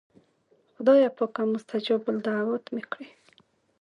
خدایه پاکه مستجاب الدعوات مې کړې.